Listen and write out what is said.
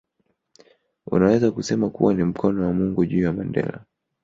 Unaweza kusema kuwa ni mkono wa Mungu juu ya Mandela